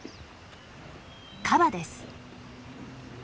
カバです。